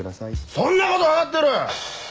そんなこと分かってる！